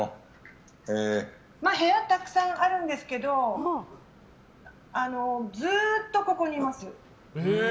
部屋たくさんあるんですけどずっとここにいます。